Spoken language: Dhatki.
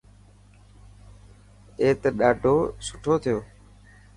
اي ته ڏاڌو سٺو ٿيو.